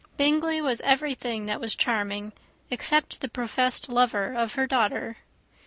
Bingley was everything that was charming, except the professed lover of her daughter.